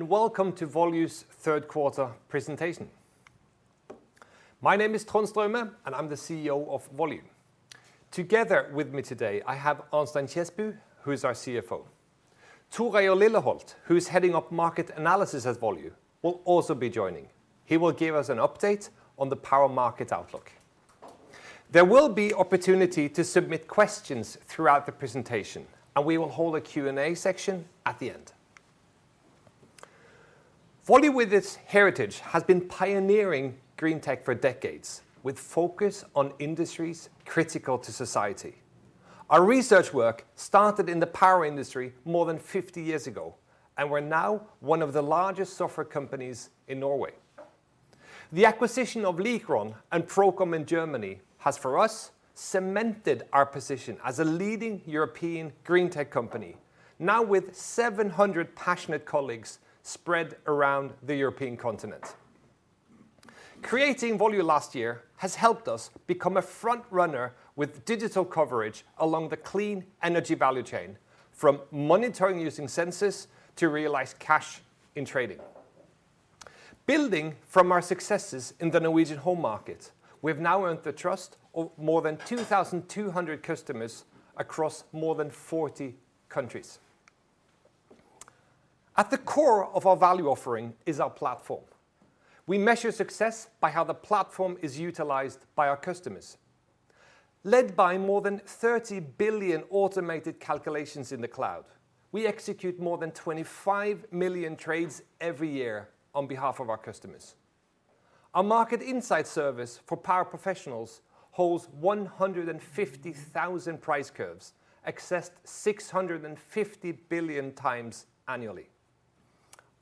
Welcome to Volue's third quarter presentation. My name is Trond Straume, and I'm the CEO of Volue. Together with me today, I have Arnstein Kjesbu, who is our CFO. Tor Reier Lilleholt, who is heading up market analysis at Volue, will also be joining. He will give us an update on the power market outlook. There will be opportunity to submit questions throughout the presentation, and we will hold a Q&A section at the end. Volue, with its heritage, has been pioneering green tech for decades, with focus on industries critical to society. Our research work started in the power industry more than 50 years ago, and we're now one of the largest software companies in Norway. The acquisition of Likron and ProCom in Germany has, for us, cemented our position as a leading European green tech company. Now with 700 passionate colleagues spread around the European continent. Creating Volue last year has helped us become a front runner with digital coverage along the clean energy value chain, from monitoring using sensors to realize cash in trading. Building from our successes in the Norwegian home market, we have now earned the trust of more than 2,200 customers across more than 40 countries. At the core of our value offering is our platform. We measure success by how the platform is utilized by our customers. Led by more than 30 billion automated calculations in the cloud, we execute more than 25 million trades every year on behalf of our customers. Our market insight service for power professionals holds 150,000 price curves, accessed 650 billion times annually.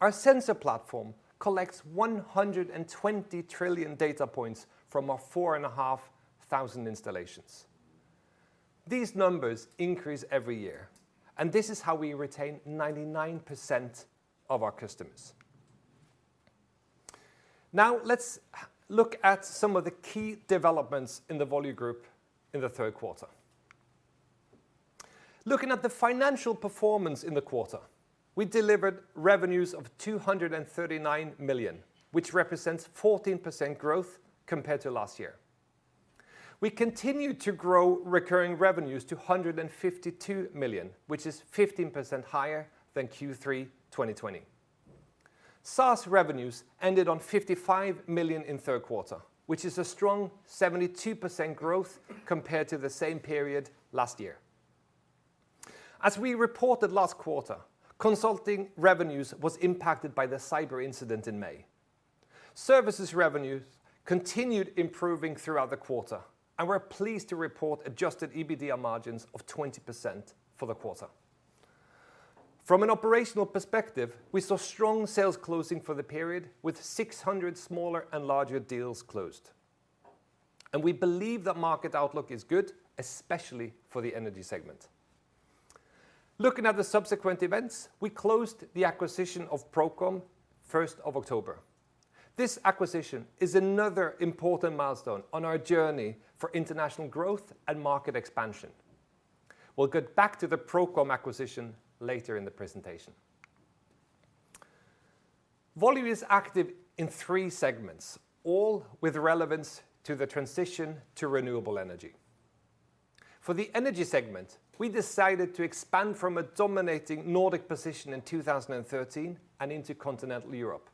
Our sensor platform collects 120 trillion data points from our 4,500 installations. These numbers increase every year, and this is how we retain 99% of our customers. Now, let's look at some of the key developments in the Volue group in the third quarter. Looking at the financial performance in the quarter, we delivered revenues of 239 million, which represents 14% growth compared to last year. We continued to grow recurring revenues to 152 million, which is 15% higher than Q3 2020. SaaS revenues ended on 55 million in third quarter, which is a strong 72% growth compared to the same period last year. As we reported last quarter, consulting revenues was impacted by the cyber incident in May. Services revenues continued improving throughout the quarter, and we're pleased to report adjusted EBITDA margins of 20% for the quarter. From an operational perspective, we saw strong sales closing for the period with 600 smaller and larger deals closed, and we believe the market outlook is good, especially for the energy segment. Looking at the subsequent events, we closed the acquisition of ProCom on the first of October. This acquisition is another important milestone on our journey for international growth and market expansion. We'll get back to the ProCom acquisition later in the presentation. Volue is active in three segments, all with relevance to the transition to renewable energy. For the energy segment, we decided to expand from a dominating Nordic position in 2013 and into continental Europe.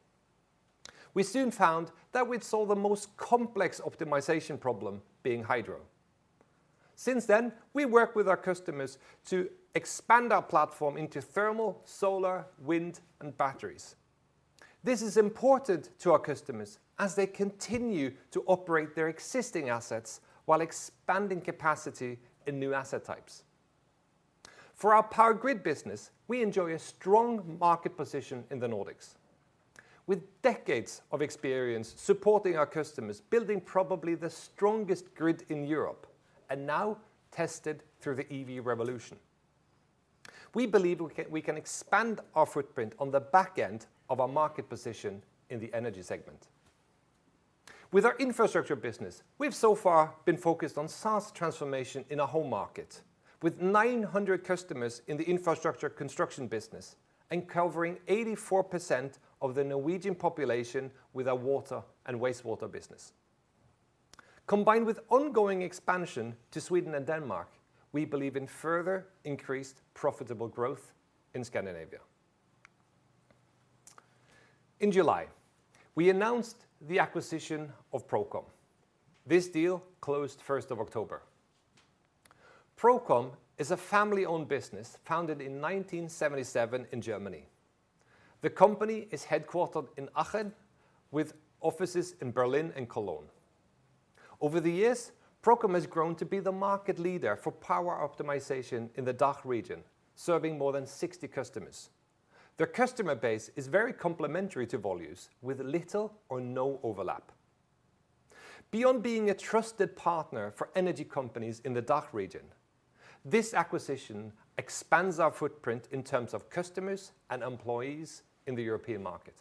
We soon found that we'd solve the most complex optimization problem being hydro. Since then, we work with our customers to expand our platform into thermal, solar, wind, and batteries. This is important to our customers as they continue to operate their existing assets while expanding capacity in new asset types. For our power grid business, we enjoy a strong market position in the Nordics with decades of experience supporting our customers, building probably the strongest grid in Europe, and now tested through the EV revolution. We believe we can expand our footprint on the back of our market position in the energy segment. With our infrastructure business, we have so far been focused on SaaS transformation in our home market with 900 customers in the infrastructure construction business and covering 84% of the Norwegian population with our water and wastewater business. Combined with ongoing expansion to Sweden and Denmark, we believe in further increased profitable growth in Scandinavia. In July, we announced the acquisition of ProCom. This deal closed the first of October. ProCom is a family-owned business founded in 1977 in Germany. The company is headquartered in Aachen with offices in Berlin and Cologne. Over the years, ProCom has grown to be the market leader for power optimization in the DACH region, serving more than 60 customers. Their customer base is very complementary to Volue's, with little or no overlap. Beyond being a trusted partner for energy companies in the DACH region, this acquisition expands our footprint in terms of customers and employees in the European market.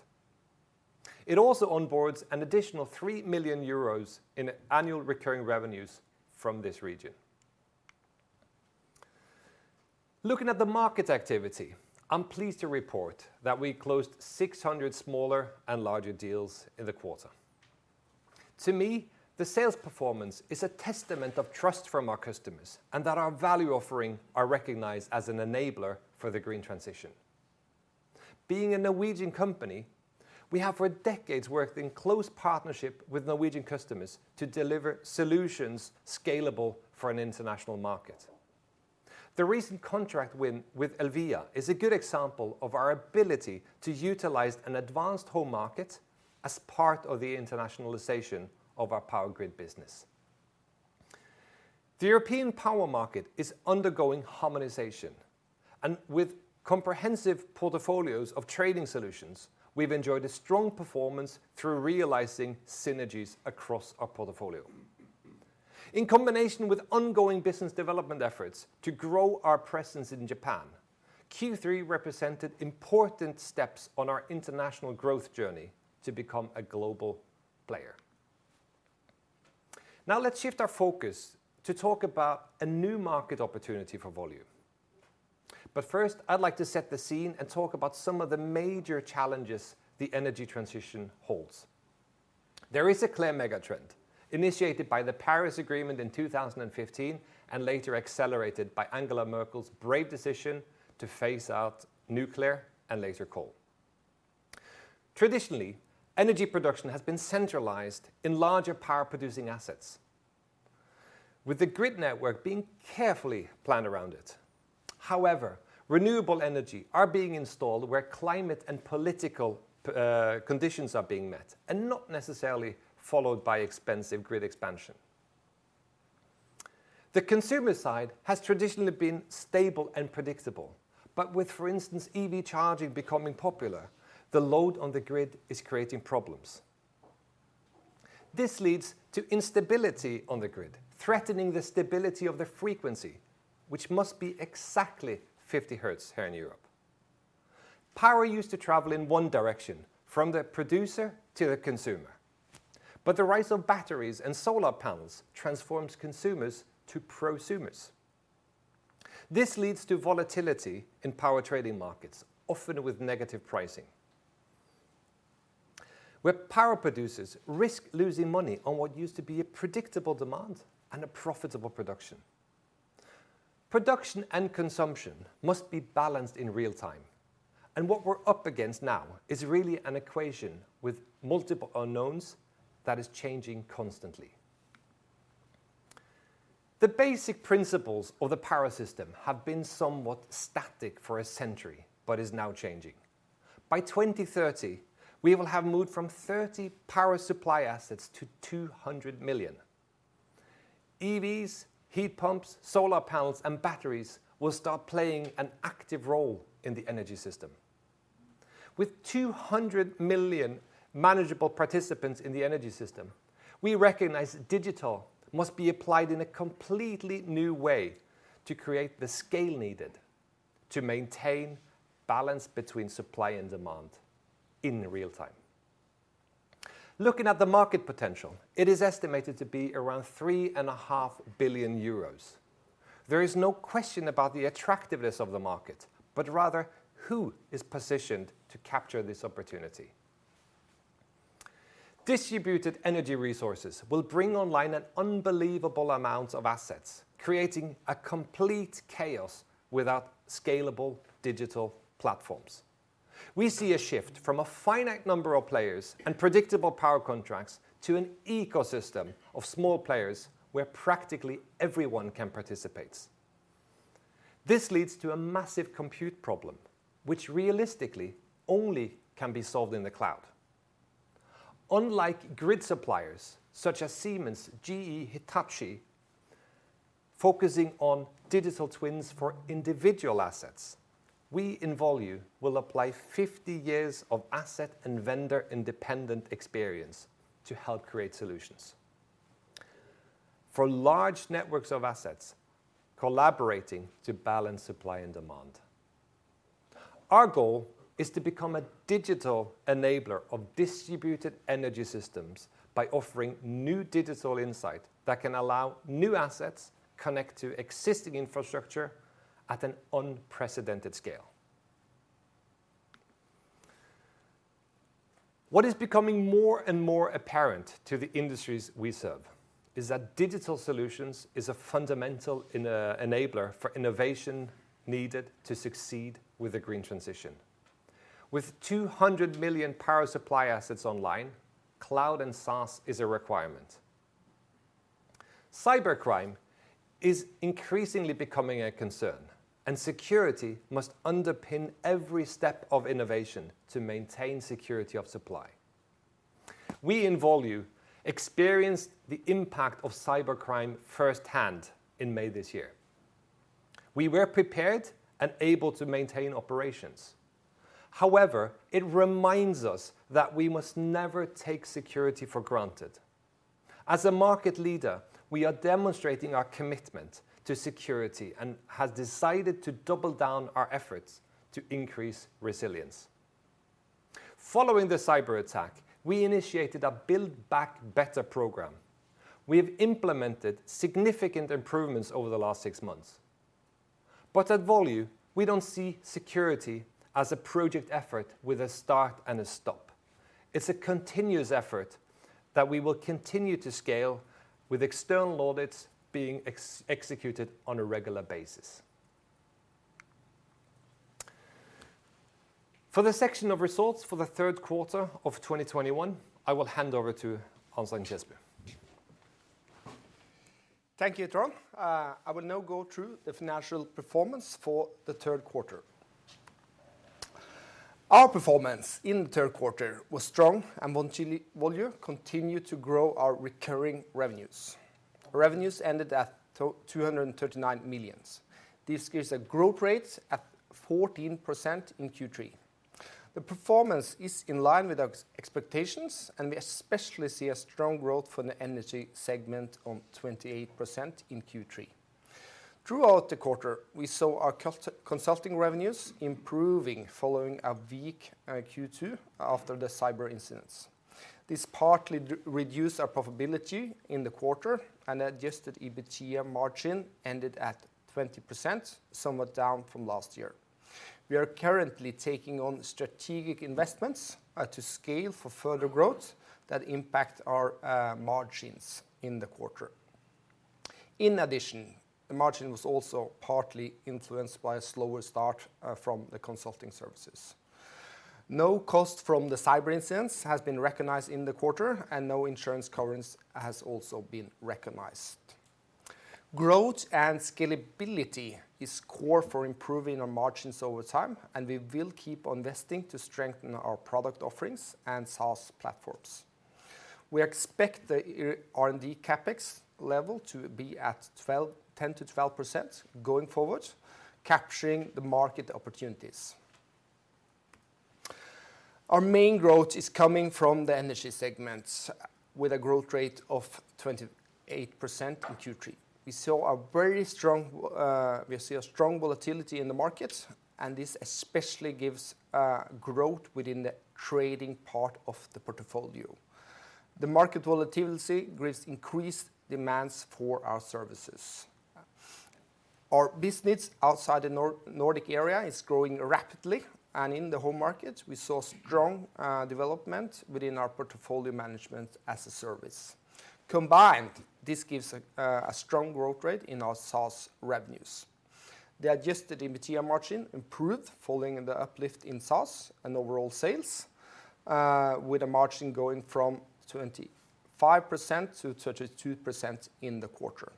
It also onboards an additional 3 million euros in annual recurring revenues from this region. Looking at the market activity, I'm pleased to report that we closed 600 smaller and larger deals in the quarter. To me, the sales performance is a testament of trust from our customers and that our value offering are recognized as an enabler for the green transition. Being a Norwegian company, we have for decades worked in close partnership with Norwegian customers to deliver solutions scalable for an international market. The recent contract win with Elvia is a good example of our ability to utilize an advanced home market as part of the internationalization of our power grid business. The European power market is undergoing harmonization, and with comprehensive portfolios of trading solutions, we've enjoyed a strong performance through realizing synergies across our portfolio. In combination with ongoing business development efforts to grow our presence in Japan, Q3 represented important steps on our international growth journey to become a global player. Now let's shift our focus to talk about a new market opportunity for Volue. First, I'd like to set the scene and talk about some of the major challenges the energy transition holds. There is a clear megatrend initiated by the Paris Agreement in 2015 and later accelerated by Angela Merkel's brave decision to phase out nuclear and later coal. Traditionally, energy production has been centralized in larger power producing assets, with the grid network being carefully planned around it. However, renewable energy are being installed where climate and political conditions are being met and not necessarily followed by expensive grid expansion. The consumer side has traditionally been stable and predictable, but with, for instance, EV charging becoming popular, the load on the grid is creating problems. This leads to instability on the grid, threatening the stability of the frequency, which must be exactly 50 Hz here in Europe. Power used to travel in one direction from the producer to the consumer. The rise of batteries and solar panels transforms consumers to prosumers. This leads to volatility in power trading markets, often with negative pricing, where power producers risk losing money on what used to be a predictable demand and a profitable production. Production and consumption must be balanced in real time, and what we're up against now is really an equation with multiple unknowns that is changing constantly. The basic principles of the power system have been somewhat static for a century, but is now changing. By 2030, we will have moved from 30 power supply assets to 200 million. EVs, heat pumps, solar panels and batteries will start playing an active role in the energy system. With 200 million manageable participants in the energy system, we recognize digital must be applied in a completely new way to create the scale needed to maintain balance between supply and demand in real time. Looking at the market potential, it is estimated to be around 3.5 billion euros. There is no question about the attractiveness of the market, but rather who is positioned to capture this opportunity. Distributed energy resources will bring online an unbelievable amount of assets, creating a complete chaos without scalable digital platforms. We see a shift from a finite number of players and predictable power contracts to an ecosystem of small players where practically everyone can participate. This leads to a massive compute problem which realistically only can be solved in the cloud. Unlike grid suppliers such as Siemens, GE, Hitachi, focusing on digital twins for individual assets, we in Volue will apply 50 years of asset and vendor independent experience to help create solutions for large networks of assets collaborating to balance supply and demand. Our goal is to become a digital enabler of distributed energy systems by offering new digital insight that can allow new assets connect to existing infrastructure at an unprecedented scale. What is becoming more and more apparent to the industries we serve is that digital solutions is a fundamental enabler for innovation needed to succeed with the green transition. With 200 million power supply assets online, cloud and SaaS is a requirement. Cybercrime is increasingly becoming a concern, and security must underpin every step of innovation to maintain security of supply. We in Volue experienced the impact of cybercrime firsthand in May this year. We were prepared and able to maintain operations. However, it reminds us that we must never take security for granted. As a market leader, we are demonstrating our commitment to security and have decided to double down our efforts to increase resilience. Following the cyber attack, we initiated a build back better program. We have implemented significant improvements over the last six months. At Volue, we don't see security as a project effort with a start and a stop. It's a continuous effort that we will continue to scale with external audits being executed on a regular basis. For the section of results for the third quarter of 2021, I will hand over to Arnstein Kjesbu. Thank you, Trond. I will now go through the financial performance for the third quarter. Our performance in the third quarter was strong, and Volue continued to grow our recurring revenues. Revenues ended at 239 million. This gives a growth rate at 14% in Q3. The performance is in line with expectations, and we especially see a strong growth for the energy segment of 28% in Q3. Throughout the quarter, we saw our consulting revenues improving following a weak Q2 after the cyber incidents. This partly reduced our profitability in the quarter and adjusted EBITDA margin ended at 20%, somewhat down from last year. We are currently taking on strategic investments to scale for further growth that impact our margins in the quarter. In addition, the margin was also partly influenced by a slower start from the consulting services. No cost from the cyber incidents has been recognized in the quarter, and no insurance occurrence has also been recognized. Growth and scalability is core for improving our margins over time, and we will keep on investing to strengthen our product offerings and SaaS platforms. We expect the R&D CapEx level to be at 10%-12% going forward, capturing the market opportunities. Our main growth is coming from the energy segments with a growth rate of 28% in Q3. We see a strong volatility in the market, and this especially gives growth within the trading part of the portfolio. The market volatility gives increased demands for our services. Our business outside the Nordic area is growing rapidly, and in the home market, we saw strong development within our portfolio management as a service. Combined, this gives a strong growth rate in our SaaS revenues. The adjusted EBITDA margin improved following the uplift in SaaS and overall sales, with a margin going from 25%-32% in the quarter.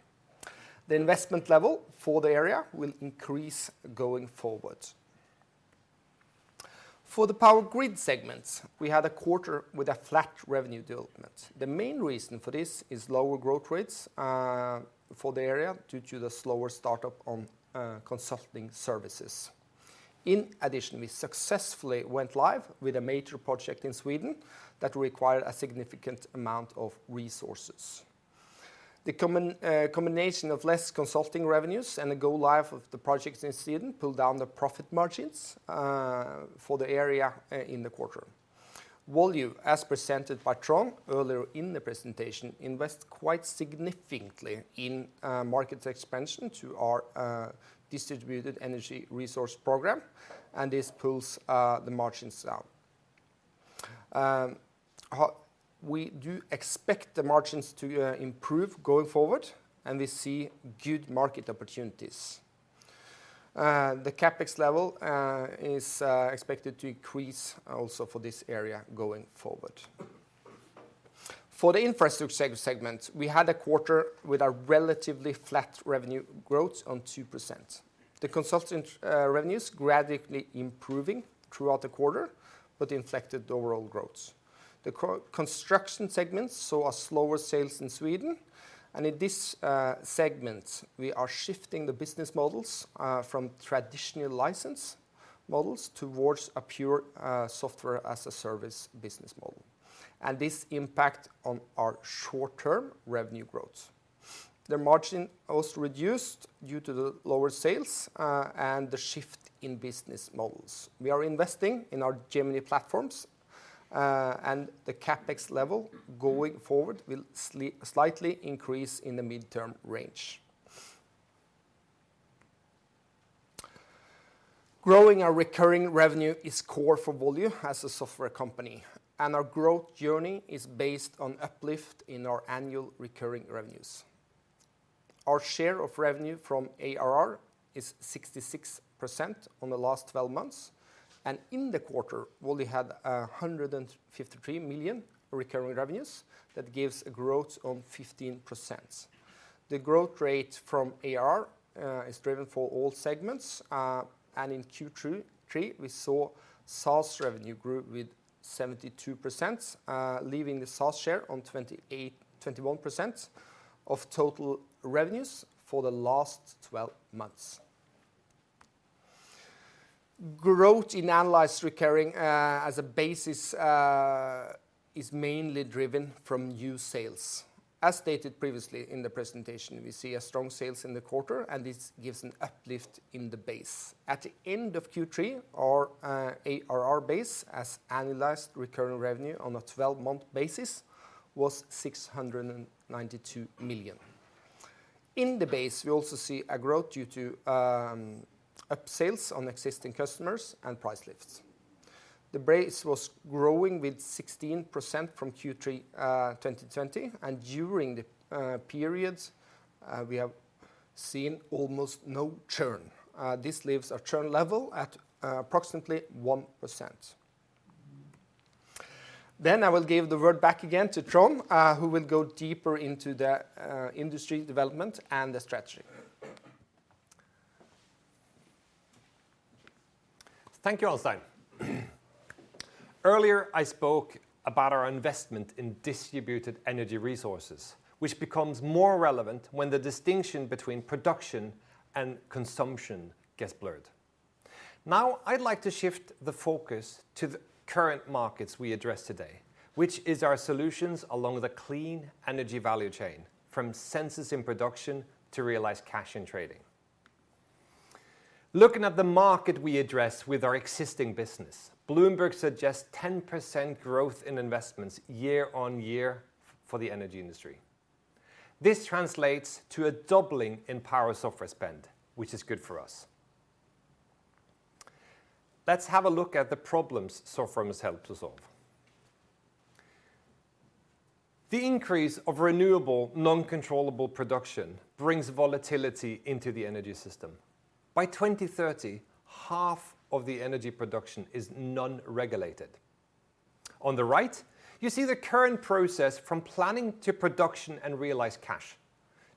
The investment level for the area will increase going forward. For the power grid segments, we had a quarter with a flat revenue development. The main reason for this is lower growth rates for the area due to the slower startup on consulting services. In addition, we successfully went live with a major project in Sweden that required a significant amount of resources. The combination of less consulting revenues and the go live of the projects in Sweden pulled down the profit margins for the area in the quarter. Volue, as presented by Trond earlier in the presentation, invest quite significantly in market expansion to our distributed energy resource program, and this pulls the margins down. We do expect the margins to improve going forward, and we see good market opportunities. The CapEx level is expected to increase also for this area going forward. For the infrastructure segment, we had a quarter with a relatively flat revenue growth of 2%. The consultant revenues gradually improving throughout the quarter, but affected the overall growth. The construction segment saw a slower sales in Sweden, and in this segment, we are shifting the business models from traditional license models towards a pure software as a service business model. This impacts on our short-term revenue growth. The margin also reduced due to the lower sales and the shift in business models. We are investing in our Gemini platforms and the CapEx level going forward will slightly increase in the midterm range. Growing our recurring revenue is core for Volue as a software company, and our growth journey is based on uplift in our annual recurring revenues. Our share of revenue from ARR is 66% on the last twelve months. In the quarter, Volue had 153 million recurring revenues. That gives a growth of 15%. The growth rate from ARR is driven for all segments. In Q2-3, we saw SaaS revenue grew with 72%, leaving the SaaS share on 21% of total revenues for the last 12 months. Growth in annual recurring as a basis is mainly driven from new sales. As stated previously in the presentation, we see a strong sales in the quarter, and this gives an uplift in the base. At the end of Q3, our ARR base, as annualized recurring revenue on a 12-month basis, was 692 million. In the base, we also see a growth due to upsales on existing customers and price lifts. The base was growing with 16% from Q3 2020, and during the periods, we have seen almost no churn. This leaves our churn level at approximately 1%. I will give the word back again to Trond, who will go deeper into the industry development and the strategy. Thank you, Arnstein. Earlier, I spoke about our investment in distributed energy resources, which becomes more relevant when the distinction between production and consumption gets blurred. Now, I'd like to shift the focus to the current markets we address today, which is our solutions along the clean energy value chain, from sensors in production to realized cash in trading. Looking at the market we address with our existing business, Bloomberg suggests 10% growth in investments year-over-year for the energy industry. This translates to a doubling in power software spend, which is good for us. Let's have a look at the problems software has helped us solve. The increase of renewable, non-controllable production brings volatility into the energy system. By 2030, half of the energy production is non-regulated. On the right, you see the current process from planning to production and realized cash.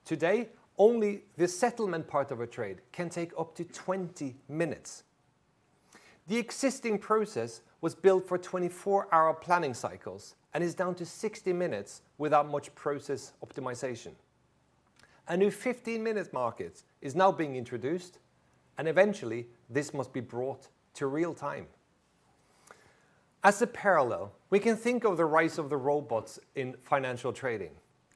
Today, only the settlement part of a trade can take up to 20 minutes. The existing process was built for 24-hour planning cycles and is down to 60 minutes without much process optimization. A new 15-minute market is now being introduced, and eventually this must be brought to real time. As a parallel, we can think of the rise of the robots in financial trading.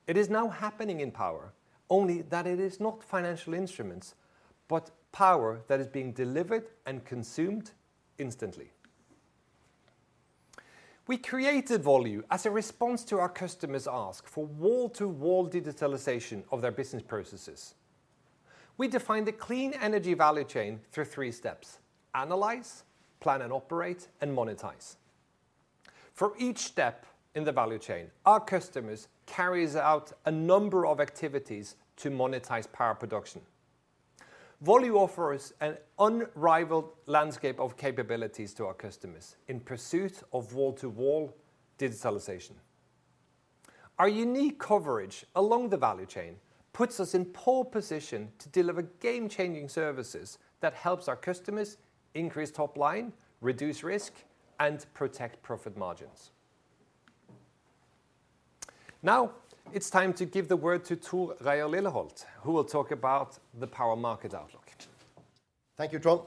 It is now happening in power, only that it is not financial instruments, but power that is being delivered and consumed instantly. We created Volue as a response to our customers' ask for wall-to-wall digitalization of their business processes. We defined a clean energy value chain through three steps, analyze, plan and operate, and monetize. For each step in the value chain, our customers carries out a number of activities to monetize power production. Volue offers an unrivaled landscape of capabilities to our customers in pursuit of wall-to-wall digitalization. Our unique coverage along the value chain puts us in pole position to deliver game-changing services that helps our customers increase top line, reduce risk, and protect profit margins. Now it's time to give the word to Tor Reier Lilleholt, who will talk about the power market outlook. Thank you, Trond.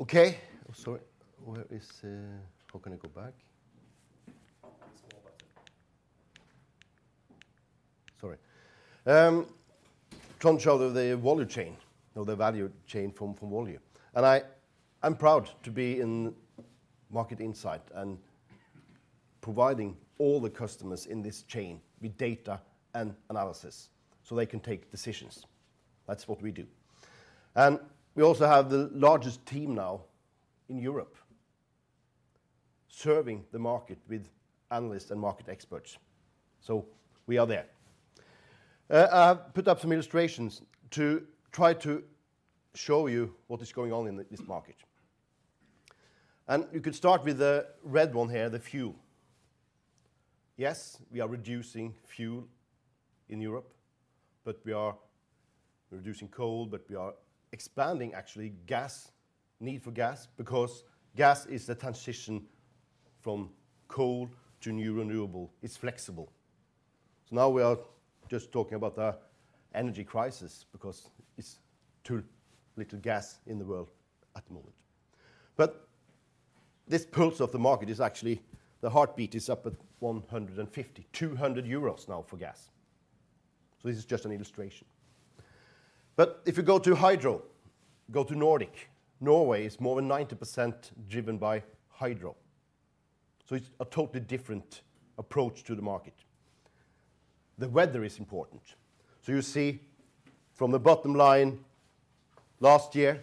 Okay. I'm sorry. Where is. How can I go back? Press the small button. Sorry. Trond showed the Volue chain, or the value chain from Volue, and I'm proud to be in Market Insight and providing all the customers in this chain with data and analysis so they can take decisions. That's what we do. We also have the largest team now in Europe, serving the market with analysts and market experts, so we are there. I've put up some illustrations to try to show you what is going on in this market. You can start with the red one here, the fuel. Yes, we are reducing fuel in Europe, but we're reducing coal, but we are expanding actually gas, need for gas, because gas is the transition from coal to new renewable. It's flexible. Now we are just talking about the energy crisis because it's too little gas in the world at the moment. This pulse of the market is actually, the heartbeat is up at 150-200 euros now for gas. This is just an illustration. If you go to hydro, go to Nordic, Norway is more than 90% driven by hydro, so it's a totally different approach to the market. The weather is important, so you see from the bottom line last year,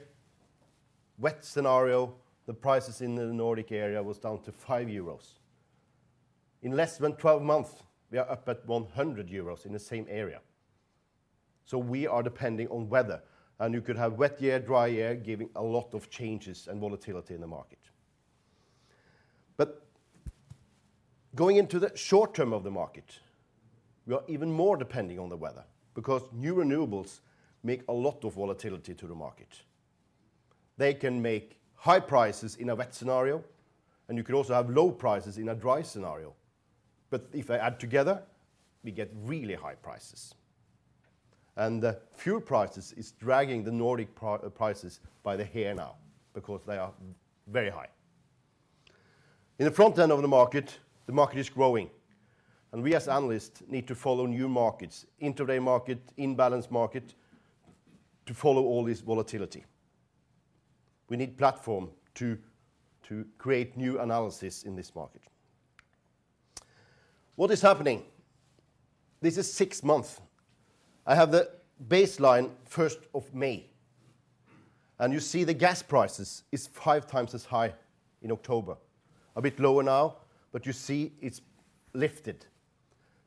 wet scenario, the prices in the Nordic area was down to 5 euros. In less than 12 months, we are up at 100 euros in the same area. We are depending on weather, and you could have wet year, dry year, giving a lot of changes and volatility in the market. Going into the short term of the market, we are even more depending on the weather because new renewables make a lot of volatility to the market. They can make high prices in a wet scenario, and you could also have low prices in a dry scenario. If I add together, we get really high prices. The fuel prices is dragging the Nordic prices by the hair now because they are very high. In the front end of the market, the market is growing, and we as analysts need to follow new markets, intraday market, imbalance market, to follow all this volatility. We need platform to create new analysis in this market. What is happening? This is six months. I have the baseline first of May, and you see the gas prices is five times as high in October. A bit lower now, but you see it's lifted.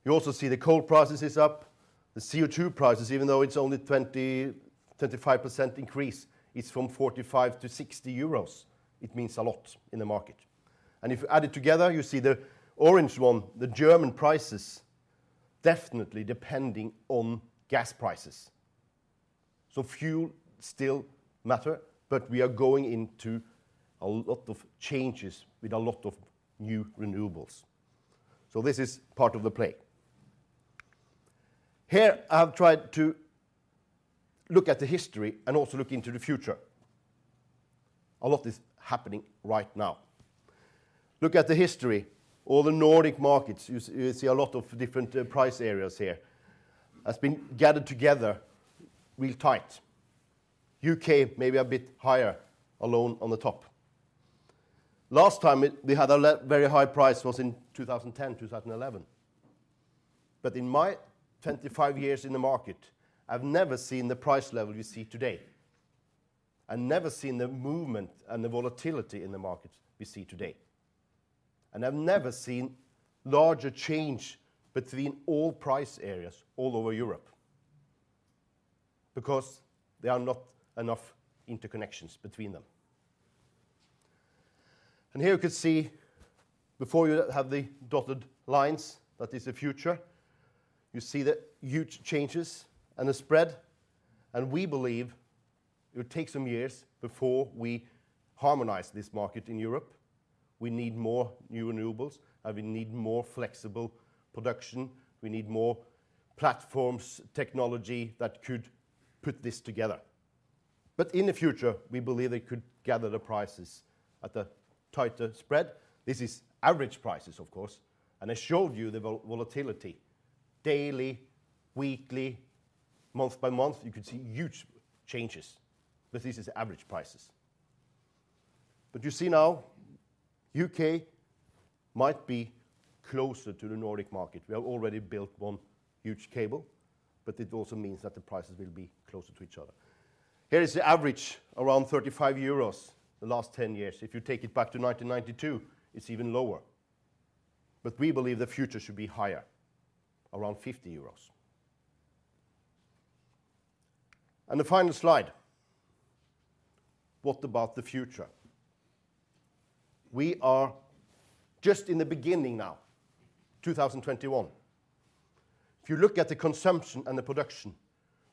You also see the coal prices is up. The CO2 prices, even though it's only 20%-35% increase, it's from 45-60 euros. It means a lot in the market. If you add it together, you see the orange one, the German prices, definitely depending on gas prices. Fuel still matter, but we are going into a lot of changes with a lot of new renewables. This is part of the play. Here, I've tried to look at the history and also look into the future. A lot is happening right now. Look at the history. All the Nordic markets, you see a lot of different price areas here, has been gathered together real tight. U.K. may be a bit higher alone on the top. Last time we had a very high price was in 2010, 2011. In my 25 years in the market, I've never seen the price level we see today. I've never seen the movement and the volatility in the market we see today. I've never seen larger change between all price areas all over Europe because there are not enough interconnections between them. Here you can see, before you have the dotted lines, that is the future. You see the huge changes and the spread, and we believe it will take some years before we harmonize this market in Europe. We need more new renewables, and we need more flexible production. We need more platforms, technology that could put this together. In the future, we believe they could gather the prices at a tighter spread. This is average prices, of course. I showed you the volatility. Daily, weekly, month by month, you could see huge changes, but this is average prices. You see now U.K. might be closer to the Nordic market. We have already built one huge cable, but it also means that the prices will be closer to each other. Here is the average, around 35 euros the last 10 years. If you take it back to 1992, it's even lower. We believe the future should be higher, around 50 euros. The final slide. What about the future? We are just in the beginning now, 2021. If you look at the consumption and the production,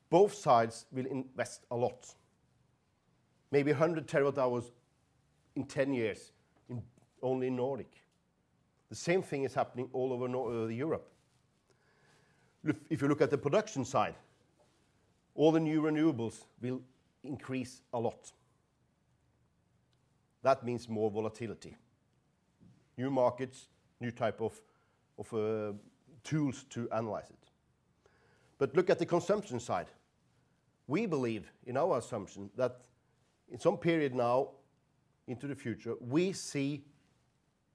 both sides will invest a lot. Maybe 100 TWh in 10 years only Nordic. The same thing is happening all over Europe. If you look at the production side, all the new renewables will increase a lot. That means more volatility, new markets, new type of tools to analyze it. Look at the consumption side. We believe, in our assumption, that in some period now into the future, we see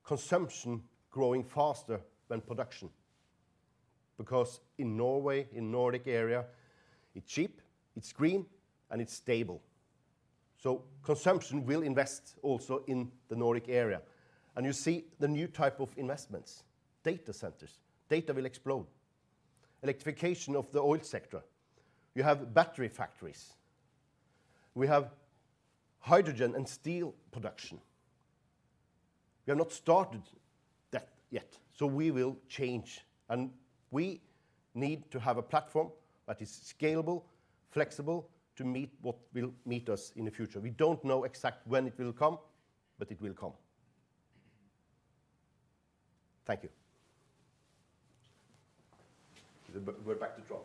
consumption growing faster than production because in Norway, in Nordic area, it's cheap, it's green, and it's stable. Consumption will invest also in the Nordic area. You see the new type of investments, data centers. Data will explode. Electrification of the oil sector. You have battery factories. We have hydrogen and steel production. We have not started that yet, so we will change. We need to have a platform that is scalable, flexible to meet what will meet us in the future. We don't know exactly when it will come, but it will come. Thank you. We're back to Trond.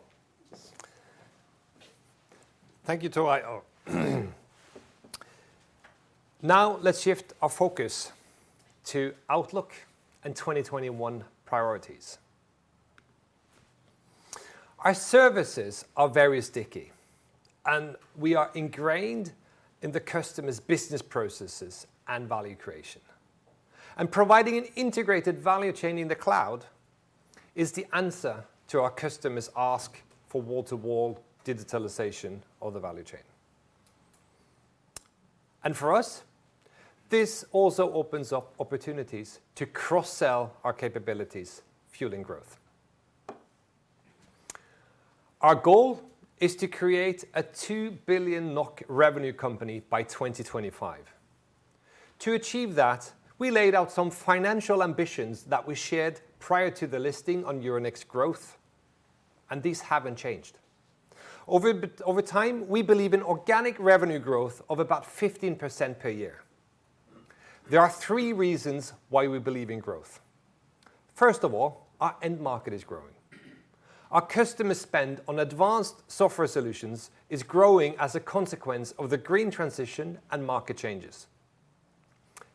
Thank you, Tor Reier. Now let's shift our focus to outlook and 2021 priorities. Our services are very sticky, and we are ingrained in the customers' business processes and value creation. Providing an integrated value chain in the cloud is the answer to our customers' ask for wall-to-wall digitalization of the value chain. For us, this also opens up opportunities to cross-sell our capabilities, fueling growth. Our goal is to create a 2 billion NOK revenue company by 2025. To achieve that, we laid out some financial ambitions that we shared prior to the listing on Euronext Growth, and these haven't changed. Over time, we believe in organic revenue growth of about 15% per year. There are three reasons why we believe in growth. First of all, our end market is growing. Our customer spend on advanced software solutions is growing as a consequence of the green transition and market changes.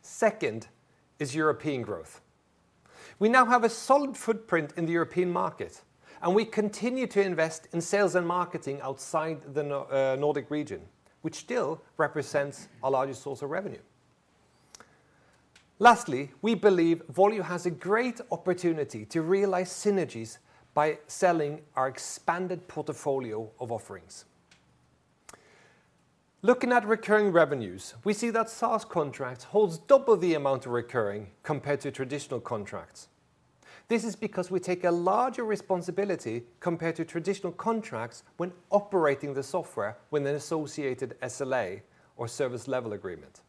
Second is European growth. We now have a solid footprint in the European market, and we continue to invest in sales and marketing outside the Nordic region, which still represents our largest source of revenue. Lastly, we believe Volue has a great opportunity to realize synergies by selling our expanded portfolio of offerings. Looking at recurring revenues, we see that SaaS contracts holds double the amount of recurring compared to traditional contracts. This is because we take a larger responsibility compared to traditional contracts when operating the software with an associated SLA or service level agreement.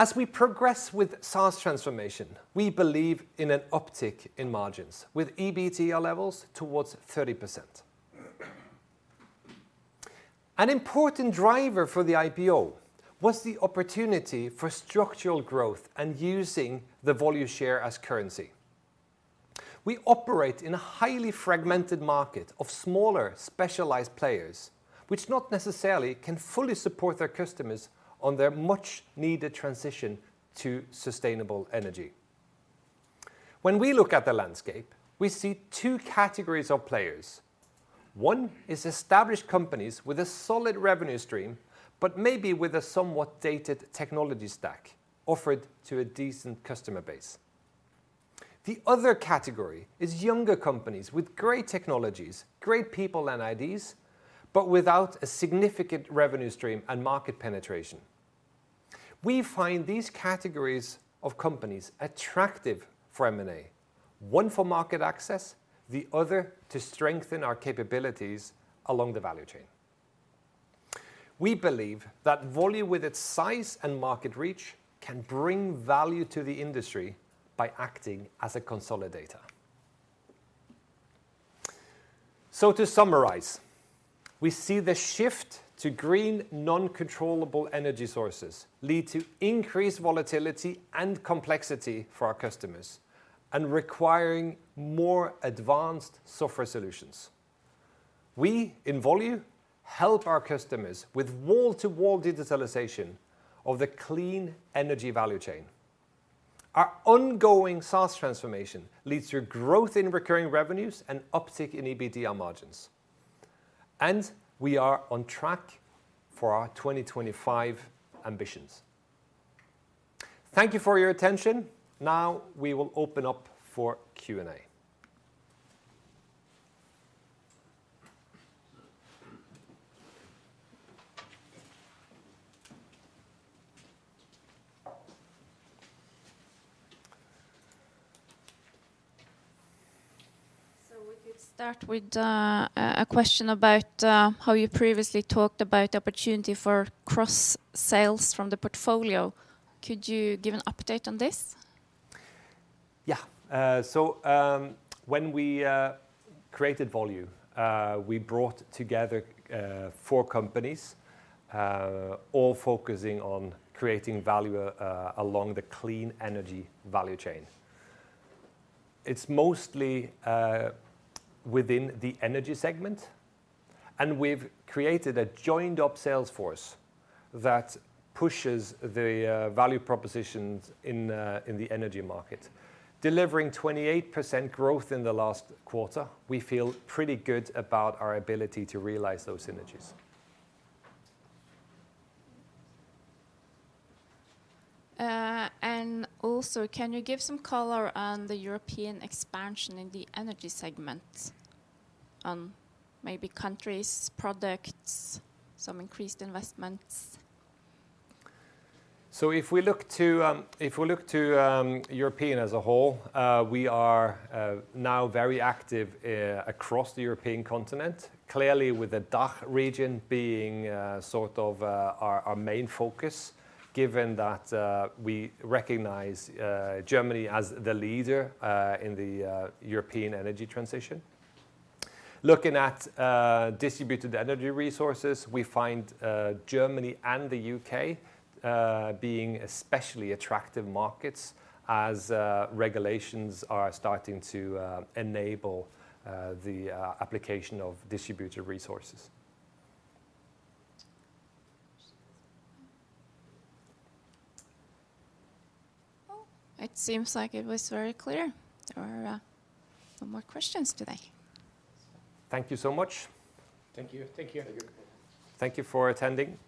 As we progress with SaaS transformation, we believe in an uptick in margins with EBITDA levels towards 30%. An important driver for the IPO was the opportunity for structural growth and using the Volue share as currency. We operate in a highly fragmented market of smaller specialized players, which not necessarily can fully support their customers on their much-needed transition to sustainable energy. When we look at the landscape, we see two categories of players. One is established companies with a solid revenue stream, but maybe with a somewhat dated technology stack offered to a decent customer base. The other category is younger companies with great technologies, great people and ideas, but without a significant revenue stream and market penetration. We find these categories of companies attractive for M&A, one for market access, the other to strengthen our capabilities along the value chain. We believe that Volue, with its size and market reach, can bring value to the industry by acting as a consolidator. To summarize, we see the shift to green non-controllable energy sources lead to increased volatility and complexity for our customers and requiring more advanced software solutions. We in Volue help our customers with wall-to-wall digitalization of the clean energy value chain. Our ongoing SaaS transformation leads to growth in recurring revenues and uptick in EBITDA margins, and we are on track for our 2025 ambitions. Thank you for your attention. Now we will open up for Q&A. We could start with a question about how you previously talked about opportunity for cross-sales from the portfolio. Could you give an update on this? When we created Volue, we brought together four companies, all focusing on creating value along the clean energy value chain. It's mostly within the energy segment, and we've created a joined up sales force that pushes the value propositions in the energy market. Delivering 28% growth in the last quarter, we feel pretty good about our ability to realize those synergies. Can you give some color on the European expansion in the energy segment on maybe countries, products, some increased investments? If we look to Europe as a whole, we are now very active across the European continent. Clearly, with the DACH region being sort of our main focus, given that we recognize Germany as the leader in the European energy transition. Looking at distributed energy resources, we find Germany and the U.K. being especially attractive markets as regulations are starting to enable the application of distributed resources. Oh, it seems like it was very clear. There are no more questions today. Thank you so much. Thank you. Thank you. Thank you for attending.